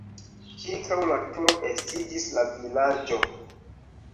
Ĉirkaŭ la turo estiĝis la vilaĝo.